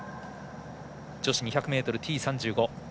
女子２００ｍＴ３５。